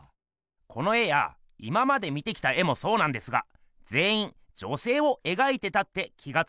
この絵や今まで見てきた絵もそうなんですがぜんいん女せいをえがいてたって気がついてました？